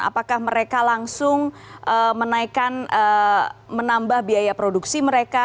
apakah mereka langsung menaikkan menambah biaya produksi mereka